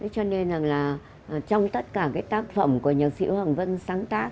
cho nên là trong tất cả cái tác phẩm của nhạc sĩ hoàng vân sáng tác